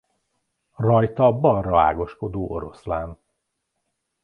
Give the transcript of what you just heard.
Rajta balra ágaskodó oroszlán.